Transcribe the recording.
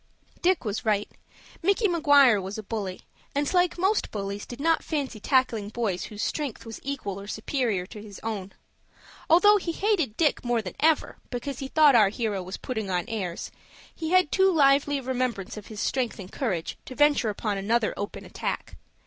Dick was right. Micky Maguire was a bully, and like most bullies did not fancy tackling boys whose strength was equal or superior to his own. Although he hated Dick more than ever, because he thought our hero was putting on airs, he had too lively a remembrance of his strength and courage to venture upon another open attack.